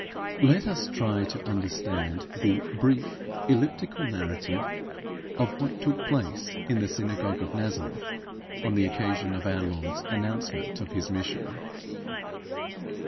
Let us try to understand the brief, elliptical narrative of what took place in the synagogue of Nazareth on the occasion of our Lord's announcement of his mission.